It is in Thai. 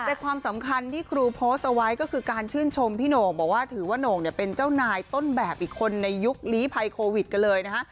แต่ความสำคัญที่ครูโพสต์เอาไว้ก็คือการชื่นชมพี่โหน่งบอกว่าถือว่าโหน่งเนี่ยเป็นเจ้านายต้นแบบอีกคนในยุคลีภัยโควิดกันเลยนะฮะ